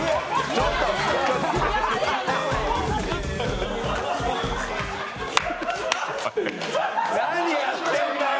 ちょっとなにやってんだよ！